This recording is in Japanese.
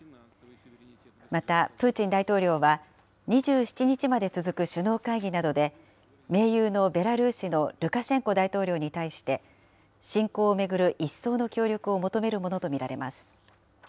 またプーチン大統領は、２７日まで続く首脳会議などで、盟友のベラルーシのルカシェンコ大統領に対して、侵攻を巡る一層の協力を求めるものと見られます。